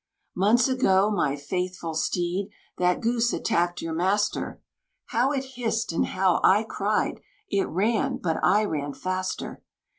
Months ago, my faithful steed, that Goose attacked your master; How it hissed, and how I cried! It ran, but I ran faster!